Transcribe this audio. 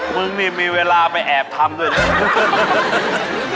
มึงนี่มีเวลาไปแอบทำด้วยนะ